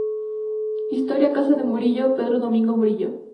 Historia Casa de Murillo, Pedro Domingo Murillo.